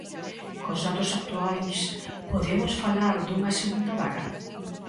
Cos datos actuais, podemos falar dunha segunda vaga?